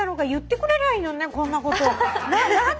こんなこと。